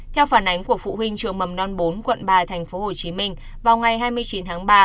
theo phản ánh của phụ huynh trường mầm non bốn quận ba tp hcm vào ngày hai mươi chín tháng ba